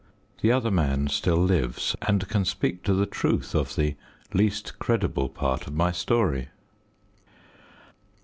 The other man still lives, and can speak to the truth of the least credible part of my story.